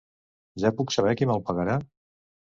Ja puc saber qui me'l pagarà?